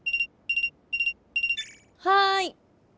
はい。